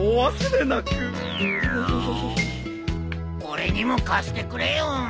俺にも貸してくれよ。